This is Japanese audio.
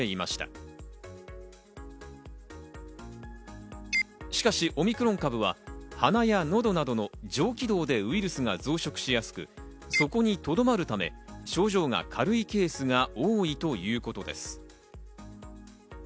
しかしオミクロン株は鼻や喉などの上気道でウイルスが増殖しやすく、そこにとどまるため、症状が軽いケースが多いということです。